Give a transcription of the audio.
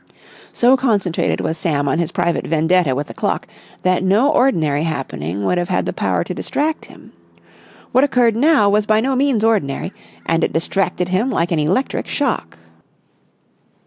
So concentrated was Sam on his private vendetta with the clock that no ordinary happening would have had the power to distract him. What occurred now was by no means ordinary, and it distracted him like an electric shock.